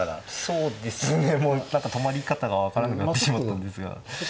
そうですねもう何か止まり方が分からなくなってしまったんですが。